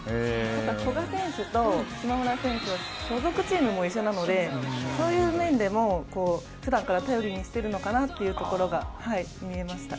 ただ古賀選手と島村選手は所属チームも一緒なのでそういう面でもふだんから頼りにしてるのかなというところが見えました。